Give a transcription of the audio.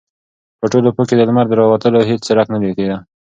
په ټول افق کې د لمر د راوتلو هېڅ څرک نه لګېده.